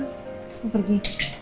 atau mau pergi